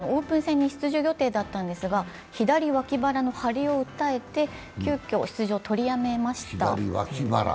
鈴木誠也選手はオープン戦に出場予定だったんですが、左脇腹の張りを訴えて、急きょ、出場を取りやめました。